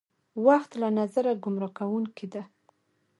وخت له نظره ګمراه کوونکې ده.